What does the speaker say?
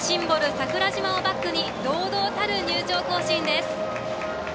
桜島をバックに堂々たる入場行進です。